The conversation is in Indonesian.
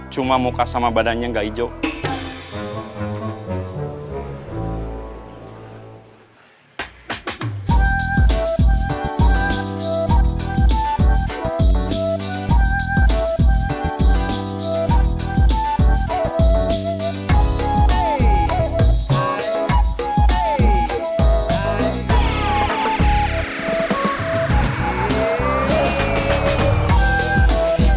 cuma muka sama badannya gak hijau